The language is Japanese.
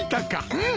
うん。